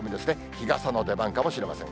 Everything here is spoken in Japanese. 日傘の出番かもしれません。